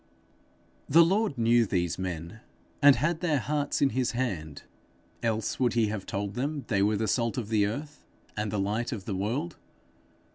The Lord knew these men, and had their hearts in his hand; else would he have told them they were the salt of the earth and the light of the world?